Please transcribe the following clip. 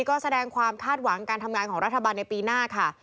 ก็แสดงความคาดหวังการทำงานของรัฐบาลในปีหน้าค่ะ